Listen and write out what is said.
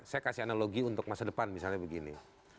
saya kasih analogi untuk masa depan misalnya begini